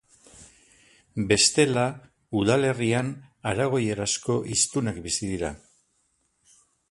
Bestela, udalerrian aragoierazko hiztunak bizi dira.